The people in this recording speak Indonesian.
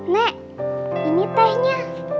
nek ini tehnya